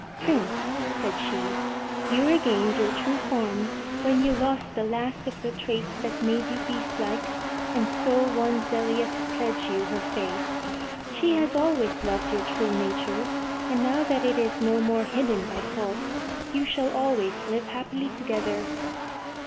"Prince," said she, "you regained your true form when you lost the last of the traits that made you beastlike and so won Zelia to pledge you her faith. She has always loved your true nature and now that it is no more hidden by faults, you shall always live happily together."